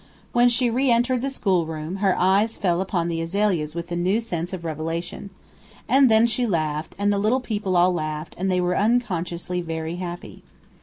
When she re entered the schoolroom, her eyes fell upon the azaleas with a new sense of revelation. And then she laughed, and the little people all laughed, and they were all unconsciously very happy.